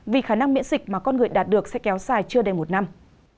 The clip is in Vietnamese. vì khả năng miễn dịch mà con người đạt được sẽ kéo dài chưa đầy một năm